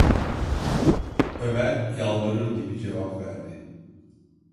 Ömer, yalvarır gibi cevap verdi: